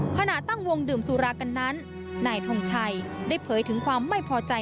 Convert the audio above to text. ขณะตั้งวงดื่มสุรากันนั้นนายทงชัยได้เผยถึงความไม่พอใจ